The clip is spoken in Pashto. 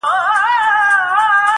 زه به څنگه ستا ښکارونو ته زړه ښه کړم٫